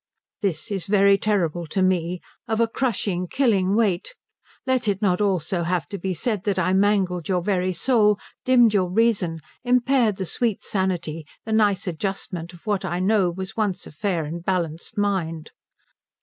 "This is very terrible to me of a crushing, killing weight. Let it not also have to be said that I mangled your very soul, dimmed your reason, impaired the sweet sanity, the nice adjustment of what I know was once a fair and balanced mind."